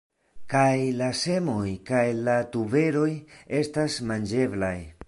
Kaj la semoj kaj la tuberoj estas manĝeblaj.